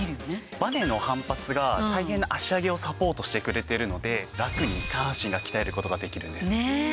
バネの反発が大変な脚上げをサポートしてくれてるのでラクに下半身が鍛える事ができるんです。